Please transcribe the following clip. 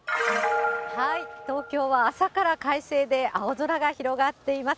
東京は朝から快晴で、青空が広がっています。